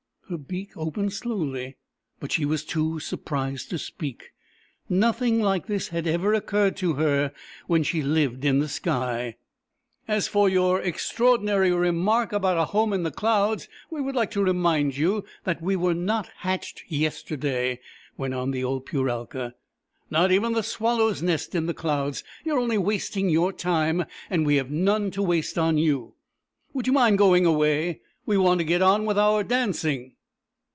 Her beak opened slowly, but she was too surprised to speak. Nothing like this had ever occurred to her when she lived in the sky. " As for your extraordinary remark about a home in the clouds, we would like to remind you that we were not hatched yesterday," went on the old Puralka. " Not even the swallows nest in the clouds. You are only wasting your time, and we have none to waste on you. Would you mind going away ? We want to get on with our danc ing."